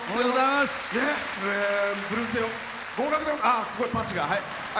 すごいパンチが。